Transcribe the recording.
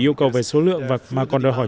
yêu cầu về số lượng mà còn đòi hỏi